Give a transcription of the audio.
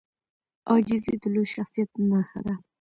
عاجزي د لوی شخصیت نښه ده.